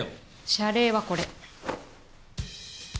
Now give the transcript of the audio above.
謝礼はこれ。